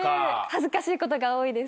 恥ずかしいことが多いです。